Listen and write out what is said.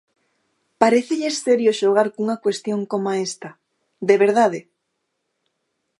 ¡¿Parécelles serio xogar cunha cuestión coma esta?!, ¿de verdade?